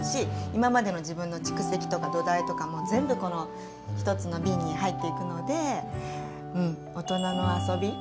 今までの自分の蓄積とか土台とかも全部この一つの瓶に入っていくのでうん大人の遊び。